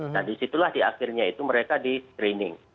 dan disitulah di akhirnya itu mereka di screening